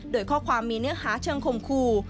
โดยข้อความมีเนื้อหาเชิงคมคู่